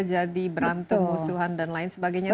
jadi berantem musuhan dan lain sebagainya